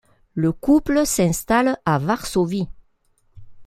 Le couple s'installe à Varsovie.